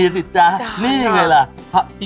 ทิมให้หมดเลย